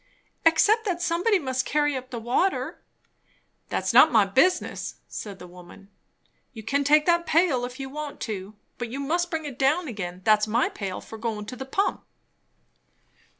"Except that somebody must carry up the water." "That's not my business," said the woman. "You can take that pail if you want to; but you must bring it down again. That's my pail for goin' to the pump."